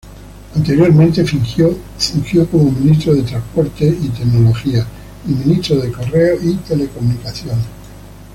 Anteriormente fungió como ministro de Transportes y Tecnología y Ministro de Correos y Telecomunicaciones.